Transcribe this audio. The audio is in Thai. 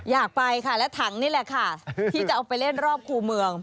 อยากไปค่ะและถังนี่แหละค่ะที่จะเอาไปเล่นรอบคู่เมือง